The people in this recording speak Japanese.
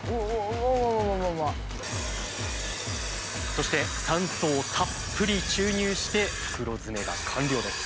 そして酸素をたっぷり注入して袋詰めが完了です。